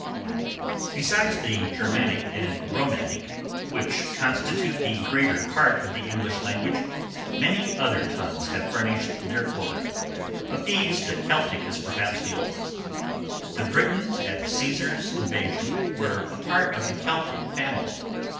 Besides the Germanic and Romanic, which constitute the greater part of the English language, many other tongues have furnished their quota. Of these the Celtic is perhaps the oldest. The Britons at Caesar's invasion, were a part of the Celtic family.